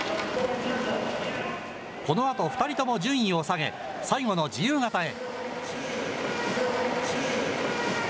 このあと２人とも順位を下げ、最後の自由形へ。